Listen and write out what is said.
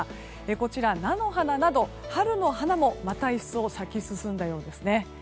こちら、菜の花など春の花もまた一層咲き進んだようですね。